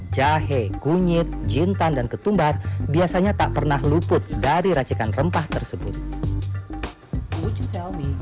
jahe kunyit jintan dan ketumbar biasanya tak pernah luput dari racikan rempah tersebut